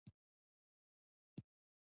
چې داکتر د ناکام تېښتې وروسته